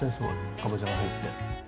かぼちゃが入って。